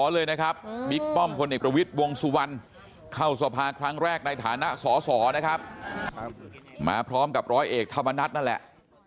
เลยนะครับบิ๊กป้อมพลเอกประวิทย์วงสุวรรณเข้าสภาครั้งแรกในฐานะสอสอนะครับมาพร้อมกับร้อยเอกธรรมนัฐนั่นแหละ